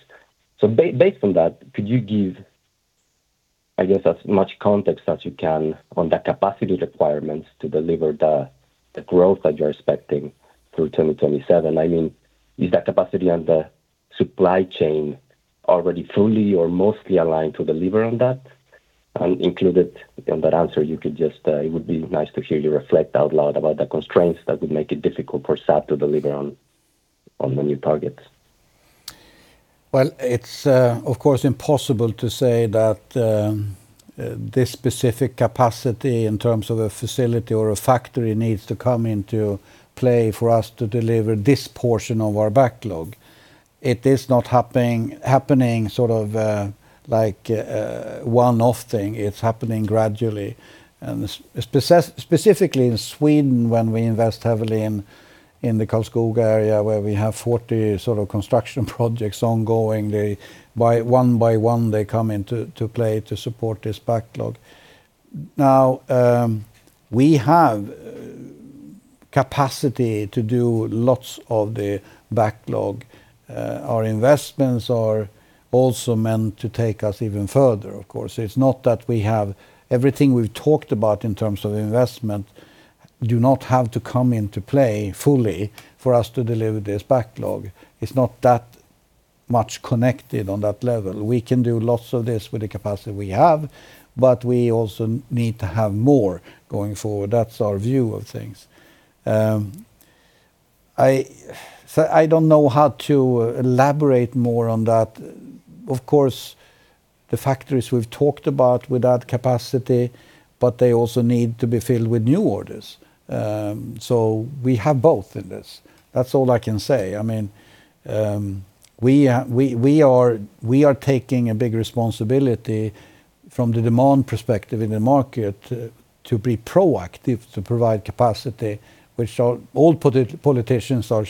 [SPEAKER 12] Based on that, could you give, I guess, as much context as you can on the capacity requirements to deliver the growth that you're expecting through 2027? I mean, is that capacity and the supply chain already fully or mostly aligned to deliver on that? Included in that answer, you could just, it would be nice to hear you reflect out loud about the constraints that would make it difficult for Saab to deliver on the new targets.
[SPEAKER 2] Well, it's of course impossible to say that this specific capacity in terms of a facility or a factory needs to come into play for us to deliver this portion of our backlog. It is not happening sort of like a one-off thing. It's happening gradually. And specifically in Sweden, when we invest heavily in the Karlskoga area, where we have 40 sort of construction projects ongoing, they one by one, they come into play to support this backlog. Now, we have capacity to do lots of the backlog. Our investments are also meant to take us even further, of course. It's not that we have everything we've talked about in terms of investment do not have to come into play fully for us to deliver this backlog. It's not that much connected on that level. We can do lots of this with the capacity we have, but we also need to have more going forward. That's our view of things. I, so I don't know how to elaborate more on that. Of course, the factories we've talked about with that capacity, but they also need to be filled with new orders. So we have both in this. That's all I can say. I mean, we are taking a big responsibility from the demand perspective in the market, to be proactive, to provide capacity, which all politicians are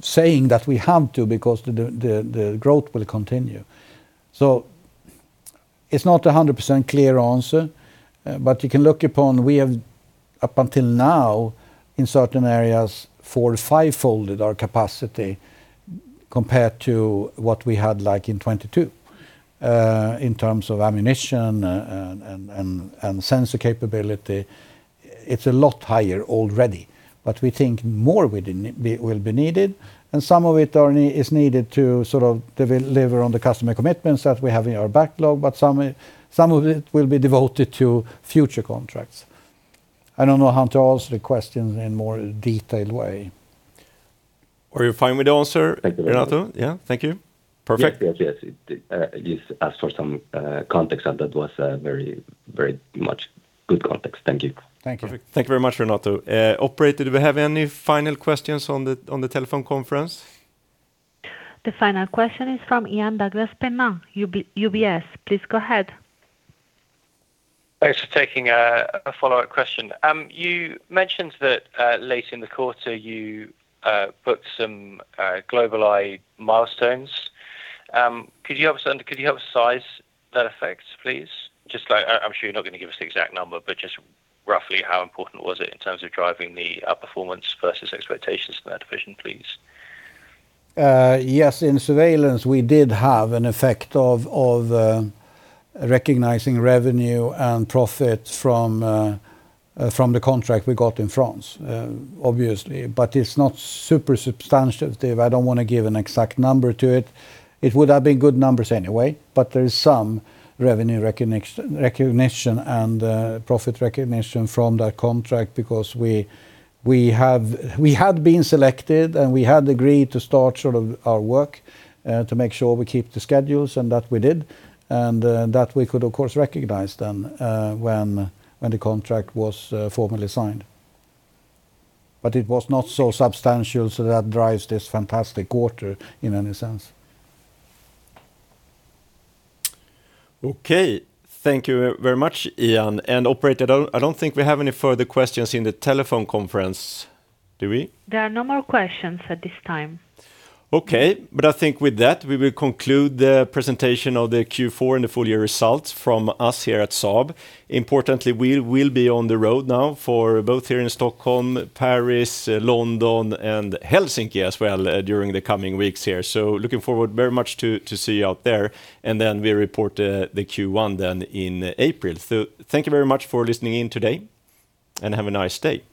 [SPEAKER 2] saying that we have to because the growth will continue. So it's not a 100% clear answer, but you can look upon, we have up until now, in certain areas, four, five-folded our capacity compared to what we had like in 2022. In terms of ammunition and sensor capability, it's a lot higher already. But we think more will be needed, and some of it is needed to sort of deliver on the customer commitments that we have in our backlog, but some, some of it will be devoted to future contracts. I don't know how to answer the questions in more detailed way.
[SPEAKER 1] Are you fine with the answer?
[SPEAKER 12] Thank you very much.
[SPEAKER 1] Renato? Yeah. Thank you. Perfect.
[SPEAKER 12] Yes, yes, yes. It just ask for some context, and that was very, very much good context. Thank you.
[SPEAKER 2] Thank you.
[SPEAKER 1] Perfect. Thank you very much, Renato. Operator, do we have any final questions on the telephone conference?
[SPEAKER 4] The final question is from Ian Douglas-Pennant, UBS. Please go ahead.
[SPEAKER 6] Thanks for taking a follow-up question. You mentioned that late in the quarter, you put some GlobalEye milestones. Could you have a certain... Could you have a size that affects, please? Just like, I'm sure you're not gonna give us the exact number, but just roughly how important was it in terms of driving the performance versus expectations in that division, please?
[SPEAKER 2] Yes, in surveillance, we did have an effect of recognizing revenue and profit from the contract we got in France, obviously, but it's not super substantive. I don't wanna give an exact number to it. It would have been good numbers anyway, but there is some revenue recognition and profit recognition from that contract because we had been selected, and we had agreed to start sort of our work to make sure we keep the schedules, and that we did. That we could, of course, recognize then when the contract was formally signed. But it was not so substantial, so that drives this fantastic quarter in any sense.
[SPEAKER 1] Okay. Thank you very much, Ian. And operator, I don't, I don't think we have any further questions in the telephone conference, do we?
[SPEAKER 4] There are no more questions at this time.
[SPEAKER 1] Okay. But I think with that, we will conclude the presentation of the Q4 and the full year results from us here at Saab. Importantly, we will be on the road now for both here in Stockholm, Paris, London, and Helsinki as well, during the coming weeks here. So looking forward very much to see you out there, and then we report the Q1 then in April. So thank you very much for listening in today, and have a nice day.